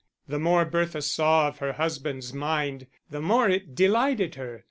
The more Bertha saw of her husband's mind, the more it delighted her.